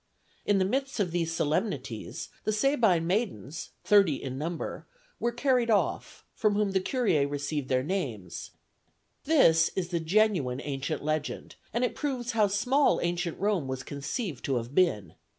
In the midst of the solemnities, the Sabine maidens, thirty in number, were carried off, from whom the curiæ received their names: this is the genuine ancient legend, and it proves how small ancient Rome was conceived to have been.